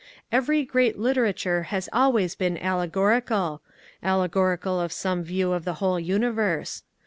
Every great literature has always been alle gorical — allegorical of some view of the whole universe.